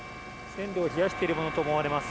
線路を冷やしているものと思われます。